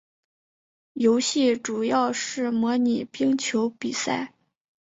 游戏主要是模拟冰球比赛。